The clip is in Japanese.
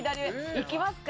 行きますか？